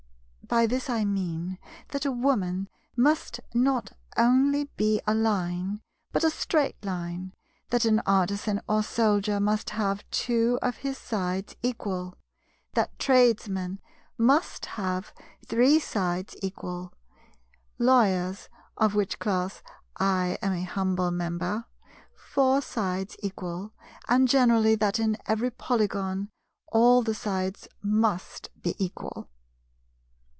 By this I mean that a Woman must not only be a line, but a straight line; that an Artisan or Soldier must have two of his sides equal; that Tradesmen must have three sides equal; Lawyers (of which class I am a humble member), four sides equal, and, generally, that in every Polygon, all the sides must be equal.